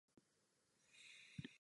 君を理解するのには苦労する